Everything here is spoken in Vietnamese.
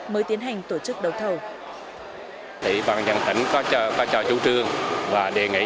mới tiến hành tổ chức đầu thầu